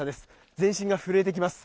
全身が震えてきます。